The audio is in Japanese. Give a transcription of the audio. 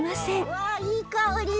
うわいい香り。